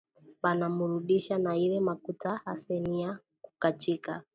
Bana murudisha na ile makuta ase niya kukachika